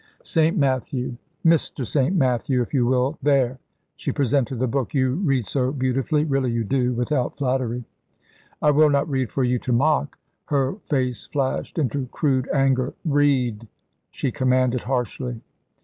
"St. Matthew." "Mister St. Matthew, if you will. There"; she presented the book; "you read so beautifully really you do, without flattery." "I will not read for you to mock." Her face flashed into crude anger. "Read," she commanded harshly.